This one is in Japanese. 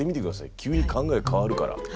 急に考え変わるから。